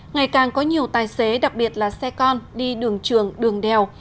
ngày càng có nhiều tài xế đặc biệt là xe con đi đường trường đường đèo